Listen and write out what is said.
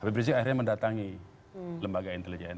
habib rizik akhirnya mendatangi lembaga intelijen